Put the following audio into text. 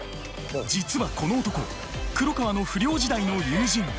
実はこの男黒川の不良時代の友人。